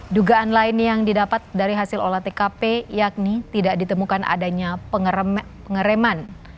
dugaan lain yang didapat dari hasil olah tkp yakni tidak ditemukan adanya pengereman